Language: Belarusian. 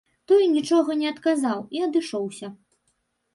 Той нічога не адказаў і адышоўся.